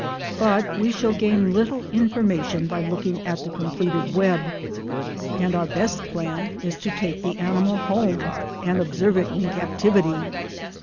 But we shall gain little information by looking at the completed web, and our best plan is to take the animal home and observe it in captivity.